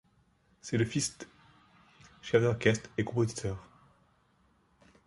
C'est le fils d', chef d'orchestre et compositeur.